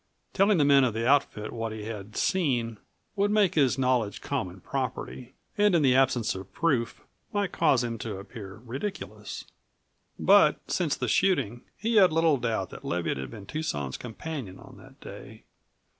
Telling the men of the outfit what he had seen would make his knowledge common property and in the absence of proof might cause him to appear ridiculous. But since the shooting he had little doubt that Leviatt had been Tucson's companion on that day.